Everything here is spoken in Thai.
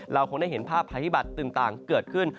คงได้เห็นภาพภัยพิบัตรต่างเกิดขึ้น